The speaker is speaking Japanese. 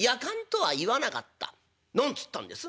「何つったんです？」